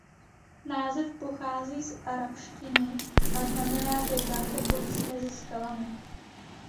Název pochází z arabštiny a znamená „řeka tekoucí mezi skalami“.